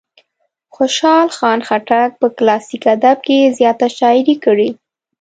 خوشال خان خټک په کلاسیک ادب کې زیاته شاعري کړې.